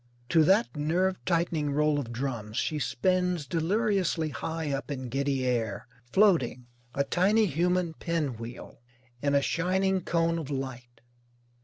To that nerve tightening roll of drums she spins deliriously high up in giddy air, floating, a tiny human pin wheel, in a shining cone of light.